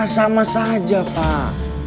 sama saja pak